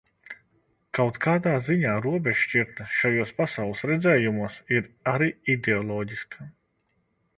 Kaut kādā ziņā robežšķirtne šajos pasaules redzējumos ir arī ideoloģiska.